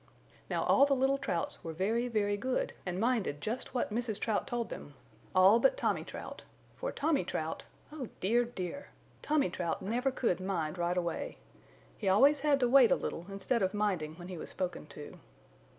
Now all the little Trouts were very, very good and minded just what Mrs. Trout told them all but Tommy Trout, for Tommy Trout oh, dear, dear! Tommy Trout never could mind right away. He always had to wait a little instead of minding when he was spoken to.